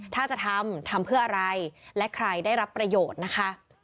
ถ้าจะทำทำเพื่ออะไรและใครได้รับประโยชน์นะคะ